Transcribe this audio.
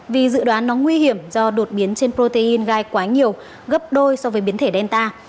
vì dự đoán nó nguy hiểm do đột biến trên protein gai quá nhiều gấp đôi so với biến thể delta